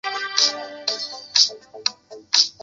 户川达安原宇喜多氏家臣。